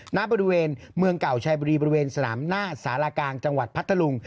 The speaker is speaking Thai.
ณบริเวณเมืองเก่าชายบุรีบริเวณสนามหน้าสารกลางจังหวัดพัทธลุง